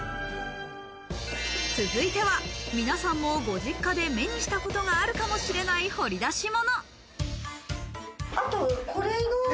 続いては、皆さんもご実家で目にしたことがあるかもしれない掘り出し物。